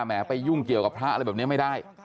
ไปยุ่งเกี่ยวกับพระอะไรแบบนี้ไม่ได้